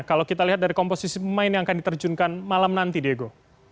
kalau kita lihat dari komposisi pemain yang akan diterjunkan malam nanti diego